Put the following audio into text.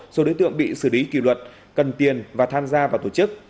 số đối tượng bị xử lý kỷ luật cần tiền và tham gia vào tổ chức